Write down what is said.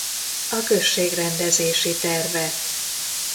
A község rendezési terve